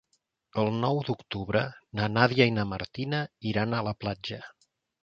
El nou d'octubre na Nàdia i na Martina iran a la platja.